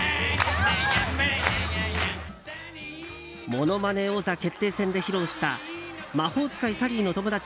「ものまね王座決定戦」で披露した「魔法使いサリー」の友達